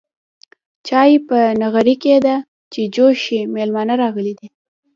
چاي په نغرې کيده چې جوش شي ميلمانه راغلي دي.